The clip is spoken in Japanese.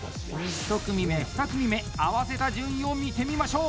１組目、２組目合わせた順位を見てみましょう！